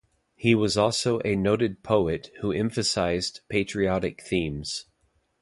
He was also a noted poet who emphasized patriotic themes.